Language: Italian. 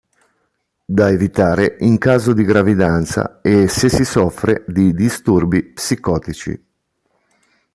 Da evitare in caso di gravidanza e se si soffre di disturbi psicotici.